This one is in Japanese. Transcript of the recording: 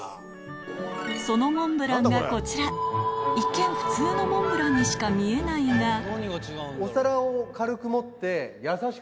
そのモンブランがこちら一見普通のモンブランにしか見えないが何が違うんだろう？